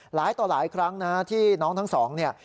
หลายต่อหลายครั้งนะที่น้องทั้งสองเนี่ย